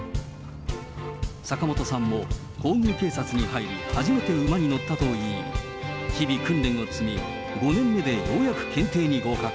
さかもとさんも、皇宮警察に入り、初めて馬に乗ったといい、日々、訓練を積み、５年目でようやく検定に合格。